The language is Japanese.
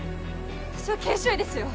私は研修医ですよ